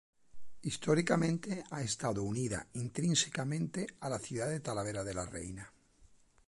Históricamente ha estado unida intrínsecamente a la ciudad de Talavera de la Reina.